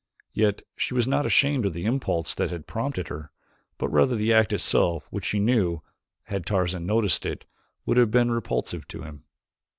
Yet she was not ashamed of the impulse that had prompted her, but rather of the act itself which she knew, had Tarzan noticed it, would have been repulsive to him.